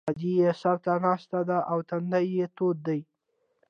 ادې یې سر ته ناسته ده او تندی یې تود دی